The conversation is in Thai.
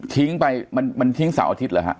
ทิ้งไปมันทิ้งเสาร์อาทิตย์เหรอฮะ